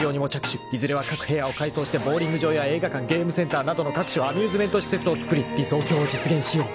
［いずれは各部屋を改装してボウリング場や映画館ゲームセンターなどの各種アミューズメント施設を造り理想郷を実現しよう。